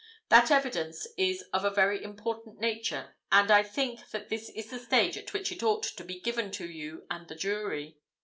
That evidence is of a very important nature, and I think that this is the stage at which it ought to be given to you and the jury.